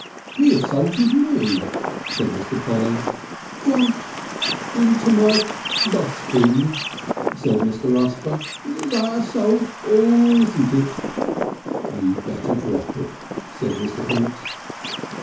"He assaulted me," said Mr. Polly. "Jumped (kik) into my dus'bin!" said Mr. Rusper. "That assault? Or isn't it?" "You better drop it," said Mr. Hinks.